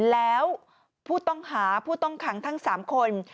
แล้วผู้ต้องหาผู้ต้องขังทั้ง๓คน